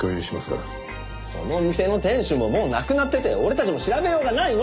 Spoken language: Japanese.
その店の店主ももう亡くなってて俺たちも調べようがないの！